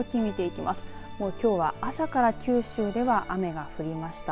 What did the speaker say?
きょうは朝から九州では雨が降りました。